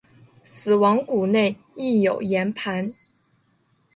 死亡谷内亦有盐磐。